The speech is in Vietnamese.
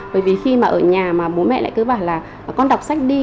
bởi vì khi mà ở nhà mà bố mẹ lại cứ bảo là con đọc sách đi